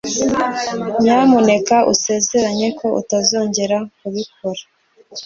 Nyamuneka usezeranye ko utazongera kubikora